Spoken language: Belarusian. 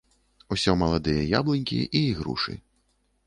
Усё маладыя яблынькі і ігрушы.